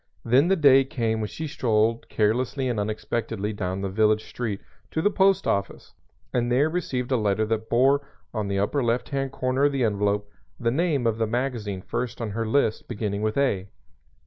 Then the day came when she strolled carelessly and unexpectantly down the village street to the post office and there received a letter that bore on the upper left hand corner of the envelope the name of the magazine first on her list beginning with "A."